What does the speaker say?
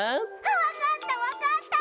わかったわかった！